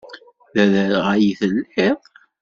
D aderɣal i telliḍ?